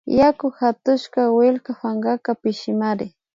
Yaku hatushka killka pankaka pishillamari